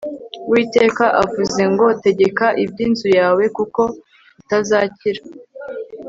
uwiteka avuze ngo 'tegeka iby'inzu yawe, kuko utazakira